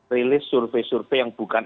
release survei survey yang bukan